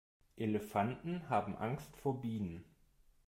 Elefanten haben Angst vor Bienen.